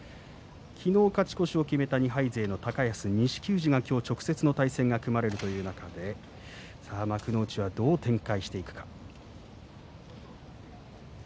昨日勝ち越しを決めた２敗勢の高安、錦富士が直接の対戦が組まれるのかで幕内はどう展開していくか。